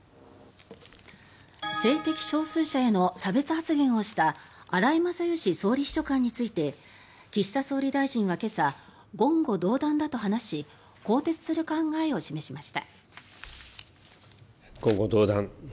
性的少数者への差別発言をした荒井勝喜総理秘書官について岸田総理大臣は今朝言語道断だと話し更迭する考えを示しました。